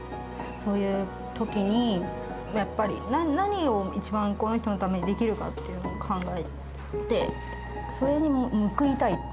そういう時にやっぱり何を一番この人のためにできるかっていうのを考えてそれに報いたい。